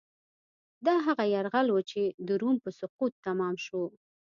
دا هغه یرغل و چې د روم په سقوط تمام شو.